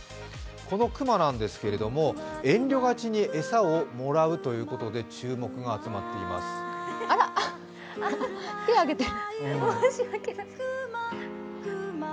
この熊なんですけれども、遠慮がちに餌をもらうということであら、手を挙げて。